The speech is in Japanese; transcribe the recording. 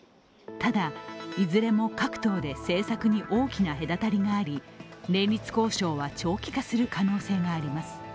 ただ、いずれも各党で政策に大きな隔たりがあり連立交渉は長期化する可能性があります。